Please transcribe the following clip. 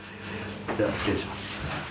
では失礼します。